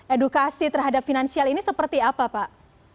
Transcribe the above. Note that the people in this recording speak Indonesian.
edukasi terhadap finansial ini seperti apa pak